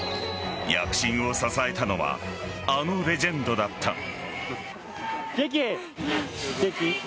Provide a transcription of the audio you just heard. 躍進を支えたのはあのレジェンドだった。